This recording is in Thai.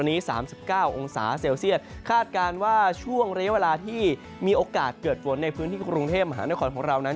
วันนี้๓๙องศาเซลเซียตคาดการณ์ว่าช่วงเรียกเวลาที่มีโอกาสเกิดฝนในพื้นที่กรุงเทพมหานครของเรานั้น